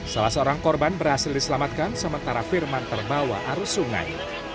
salah seorang korban berhasil diselamatkan sementara firman terbawa arus sungai